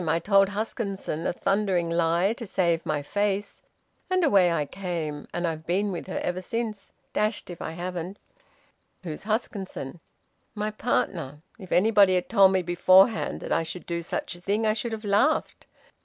I told Huskisson a thundering lie, to save my face, and away I came, and I've been with her ever since. Dashed if I haven't!" "Who's Huskisson?" "My partner. If anybody had told me beforehand that I should do such a thing I should have laughed.